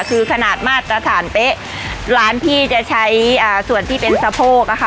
คือขนาดมาตรฐานเป๊ะร้านพี่จะใช้อ่าส่วนที่เป็นสะโพกอะค่ะ